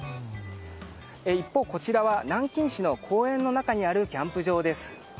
一方、こちらは南京市の公園の中にあるキャンプ場です。